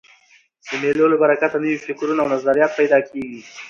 د مېلو له برکته نوي فکرونه او نظریات پیدا کېږي.